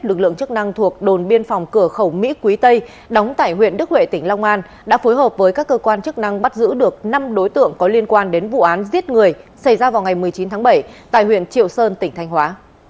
lực lượng chức năng thuộc đồn biên phòng cửa khẩu mỹ quý tây đóng tại huyện đức huệ tỉnh long an đã phối hợp với các cơ quan chức năng bắt giữ được năm đối tượng có liên quan đến vụ án giết người xảy ra vào ngày một mươi chín tháng bảy tại huyện triệu sơn tỉnh thanh hóa